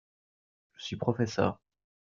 Je suis professeur.